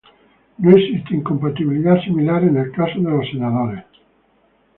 No existe incompatibilidad similar en el caso de los senadores.